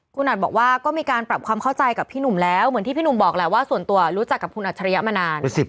คุณอัดบอกว่าก็มีการปรับความเข้าใจกับพี่หนุ่มแล้วเหมือนที่พี่หนุ่มบอกแหละว่าส่วนตัวรู้จักกับคุณอัจฉริยะมานาน